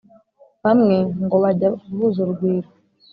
bamwe ngo bajya guhuza urugwiro